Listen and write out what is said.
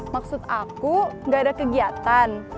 maksud aku gak ada kegiatan